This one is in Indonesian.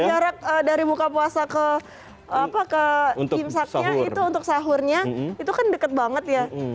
karena jaraknya kan jarak dari muka puasa ke imsaknya itu untuk sahurnya itu kan dekat banget ya